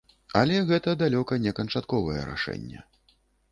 Але гэта далёка не канчатковае рашэнне.